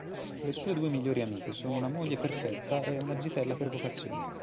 Le sue due migliori amiche sono una moglie perfetta e una zitella per vocazione.